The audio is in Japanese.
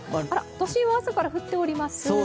都心は朝から降っております。